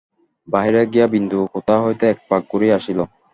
বাহিরে গিয়া বিন্দু কোথা হইতে একপাক ঘুরিয়া আসিল।